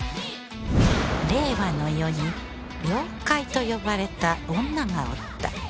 令和の世に妖怪と呼ばれた女がおった